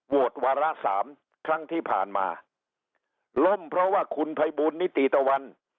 วาระสามครั้งที่ผ่านมาล่มเพราะว่าคุณภัยบูลนิติตะวัน